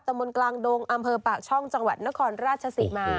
มนต์กลางดงอำเภอปากช่องจังหวัดนครราชศรีมา